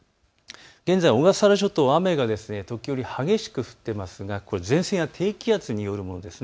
現在、小笠原諸島、時折雨が激しく降っていますが前線や低気圧によるものです。